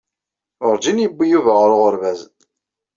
Werjin yuwiy Yuba ɣer uɣerbaz.